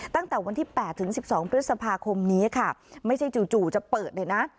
ตั้งแต่วันที่๘ถึง๑๒พฤษภาคมนี้ค่ะไม่ใช่จู่จะเปิดเลยนะ